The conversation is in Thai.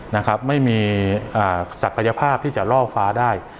นะครับไม่มีอ่าศักยภาพที่จะล่อฟ้าได้